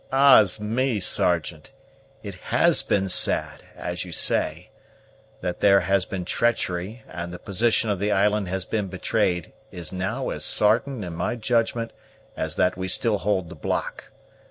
"Ah's me, Sergeant! It has been sad, as you say. That there has been treachery, and the position of the island has been betrayed, is now as sartain, in my judgment, as that we still hold the block.